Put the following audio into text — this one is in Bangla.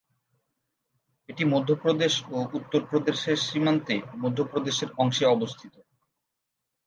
এটি মধ্যপ্রদেশ ও উত্তরপ্রদেশের সীমান্তে মধ্যপ্রদেশের অংশে অবস্থিত।